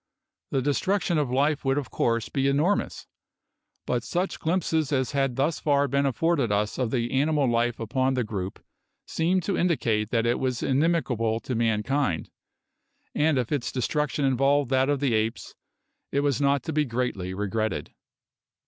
The destruction of life would of course be enormous; but such glimpses as had thus far been afforded us of the animal life upon the group seemed to indicate that it was inimical to mankind; and if its destruction involved that of the apes, it was not to be greatly regretted.